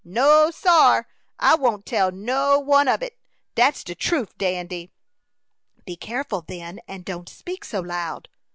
"No, sar! I won't tell no one ob it. Dat's de truf, Dandy." "Be careful then, and don't speak so loud."